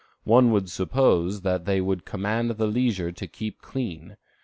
One would suppose that they could command the leisure to keep clean.